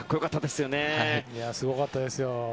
すごかったですよ。